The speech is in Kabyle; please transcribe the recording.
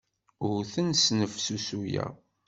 Ur ten-snefsusuyeɣ.